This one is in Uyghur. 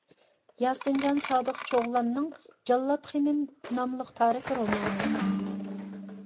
ياسىنجان سادىق چوغلاننىڭ «جاللات خېنىم» ناملىق تارىخىي رومانى